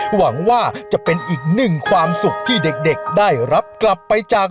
หวังว่าจะเป็นอีกหนึ่งความสุขที่เด็กได้รับกลับไปจาก